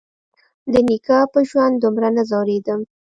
د نيکه په ژوند دومره نه ځورېدم.